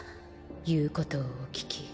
言うことをお聞き。